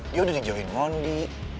dia udah dijauhin mandi